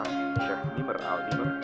syekh mimraudin berkata